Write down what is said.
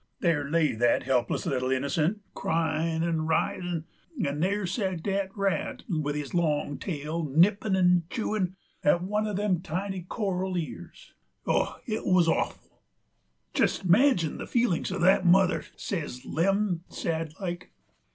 There lay that helpless little innocent, cryin' 'nd writhin', 'nd there sat that rat with his long tail, nippin' 'nd chewin' at one uv them tiny coral ears oh, it wuz offul!" "Jest imagine the feelinks uv the mother!" says Lem, sad like.